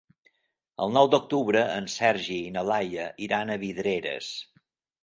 El nou d'octubre en Sergi i na Laia iran a Vidreres.